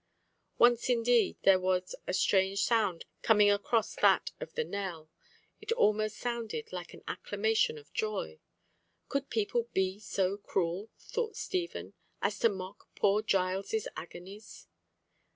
Once indeed there was a strange sound coming across that of the knell. It almost sounded like an acclamation of joy. Could people be so cruel, thought Stephen, as to mock poor Giles's agonies?